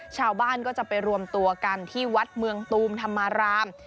ชาวบ้านก็จะไปรวมตัวกันที่วัดเมืองตูมธรรมาราม